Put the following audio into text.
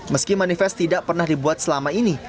meski manifest tidak pernah dibuat selama ini